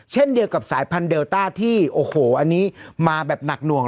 เช่นเดียวกับสายพันธุเดลต้าที่โอ้โหอันนี้มาแบบหนักหน่วง